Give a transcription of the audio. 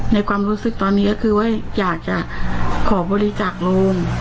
ความรู้สึกตอนนี้ก็คือว่าอยากจะขอบริจาคโรง